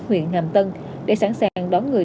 huyện nam tân để sẵn sàng đón người